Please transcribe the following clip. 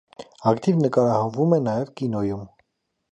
Ակտիվ նկարահանվում է նաև կինոյում։